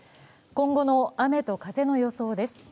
今後の雨と風の予想です。